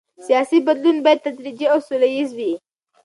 سیاسي بدلون باید تدریجي او سوله ییز وي